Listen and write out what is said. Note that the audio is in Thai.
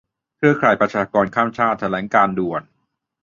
เครือข่ายประชากรข้ามชาติ แถลงการณ์ด่วน